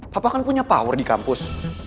bapak kan punya power di kampus